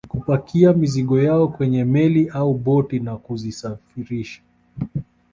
Kupakia mizigo yao kwenye meli au boti na kuzisafirisha